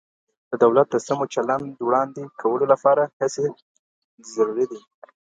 د دولت د سمو چلند وړاندې کولو لپاره هڅې دې ضروري دي.